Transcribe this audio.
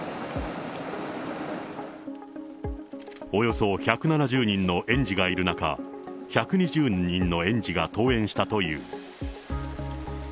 およそ１７０人の園児がいる中、１２０人の園児が登園したという。